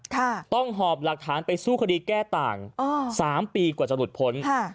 ค่ะต้องหอบหลักฐานไปสู้คดีแก้ต่างอ๋อสามปีกว่าจะหลุดพ้นค่ะ